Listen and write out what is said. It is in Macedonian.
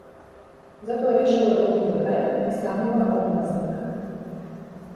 Затоа, решава да оди до крај и станува одмаздник.